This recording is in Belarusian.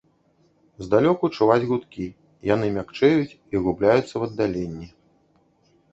Здалёку чуваць гудкі, яны мякчэюць і губляюцца ў аддаленні.